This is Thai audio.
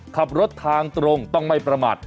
ขับรถทางตรงต้องไม่ประมาท